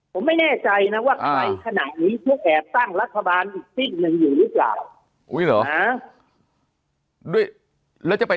ผมไม่ได้ใจนะว่าใครขนาดนี้พวกแอบตั้งและพระบาลนึงอยู่หรือเปล่า